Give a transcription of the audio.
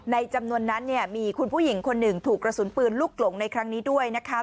จำนวนนั้นเนี่ยมีคุณผู้หญิงคนหนึ่งถูกกระสุนปืนลูกหลงในครั้งนี้ด้วยนะคะ